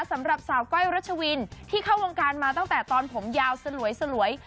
สำหรับสาวก้อยรัชวินที่เข้าวงการมาตั้งแต่ตอนผมยาวสลวย